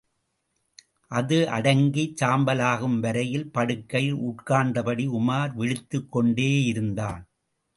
அது அடங்கிச் சாம்பலாகும் வரையில், படுக்கையில் உட்கார்ந்தபடி உமார் விழித்துக் கொண்டேயிருந்தான்.